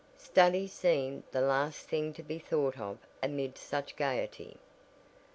Study seemed the last thing to be thought of amid such gaiety.